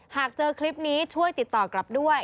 หากเจอคลิปนี้ช่วยติดต่อกลับด้วย